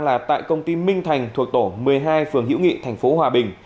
là tại công ty minh thành thuộc tổ một mươi hai phường hiễu nghị tp hòa bình